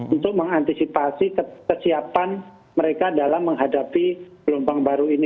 untuk mengantisipasi kesiapan mereka dalam menghadapi gelombang baru ini